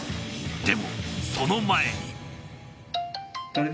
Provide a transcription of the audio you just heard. でもその前に。